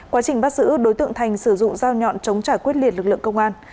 quá trình bắt giữ đối tượng thành sử dụng dao nhọn chống trả quyết liệt lực lượng công an